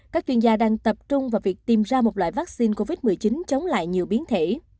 các chuyên gia đang tập trung vào việc tìm ra một loại vaccine covid một mươi chín chống lại nhiều biến thể